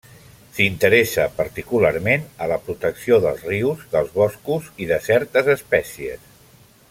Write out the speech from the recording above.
S'interessa particularment a la protecció dels rius, dels boscs i de certes espècies.